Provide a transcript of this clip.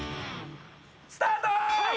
スタート！